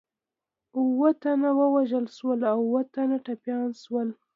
اووه تنه ووژل شول او اووه تنه ټپیان شول.